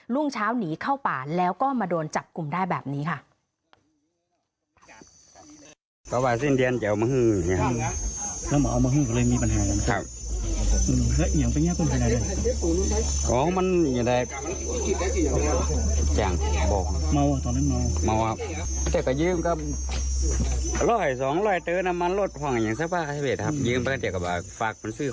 ่งเช้าหนีเข้าป่าแล้วก็มาโดนจับกลุ่มได้แบบนี้ค่ะ